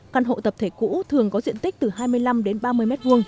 căn hộ tập thể cũ thường có diện tích từ hai mươi năm đến ba mươi m hai